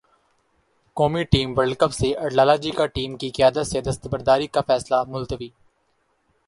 قومی team world cup سے اٹ لالہ جی کا ٹیم کی قیادت سے دستبرداری کا فیصلہ ملتوی